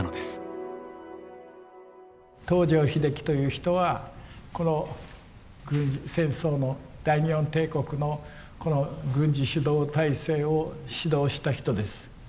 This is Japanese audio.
東條英機という人はこの戦争の大日本帝国のこの軍事主導体制を指導した人です。